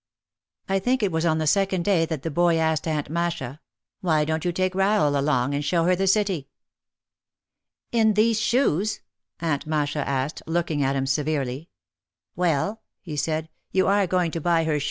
I think it was on the second day that the boy asked Aunt Masha, "Why don't you take Rahel along and show her the City?" "In these shoes?" Aunt Masha asked, looking at him severely. "Well," he said, "you are going to buy her shoes, #*&\? i IJ^ 't t^c *^ THE DROSKY IS AT THE DOOR.